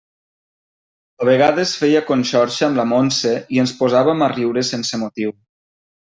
A vegades feia conxorxa amb la Montse i ens posàvem a riure sense motiu.